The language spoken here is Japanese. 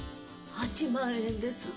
８万円です。